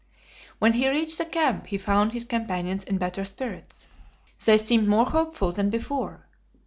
When he reached the camp he found his companions in better spirits. They seemed more hopeful than before.